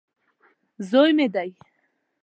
زوی مې دی.